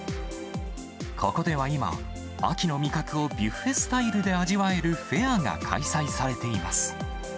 ここでは今、秋の味覚をブッフェスタイルで味わえるフェアが開催されています。